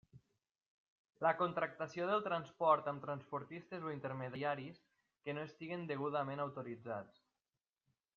La contractació del transport amb transportistes o intermediaris que no estiguen degudament autoritzats.